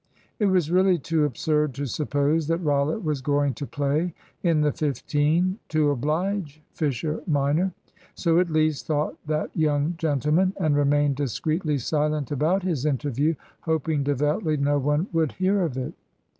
It was really too absurd to suppose that Rollitt was going to play in the fifteen to oblige Fisher minor. So at least thought that young gentleman, and remained discreetly silent about his interview, hoping devoutly no one would hear of it.